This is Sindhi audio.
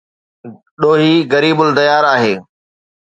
ڏوهي غريب الديار آهي